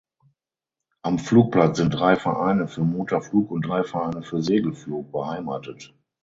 Am Flugplatz sind drei Vereine für Motorflug und drei Vereine für Segelflug beheimatet.